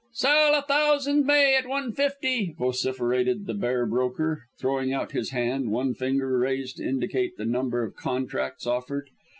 "Sell a thousand May at one fifty," vociferated the bear broker, throwing out his hand, one finger raised to indicate the number of "contracts" offered.